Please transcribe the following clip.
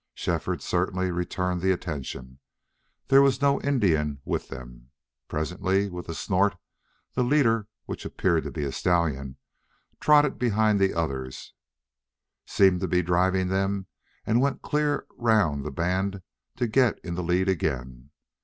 Shefford certainly returned the attention. There was no Indian with them. Presently, with a snort, the leader, which appeared to be a stallion, trotted behind the others, seemed to be driving them, and went clear round the band to get in the lead again.